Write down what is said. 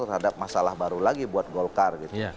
terhadap masalah baru lagi buat golkar gitu